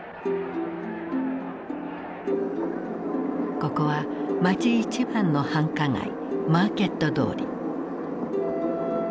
ここは街一番の繁華街マーケット通り。